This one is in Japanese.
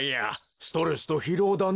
ストレスとひろうだね。